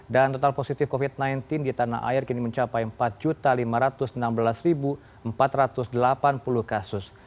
dan total positif covid sembilan belas di tanah air kini mencapai empat lima ratus enam belas empat ratus delapan puluh kasus